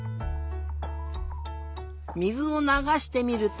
水をながしてみると。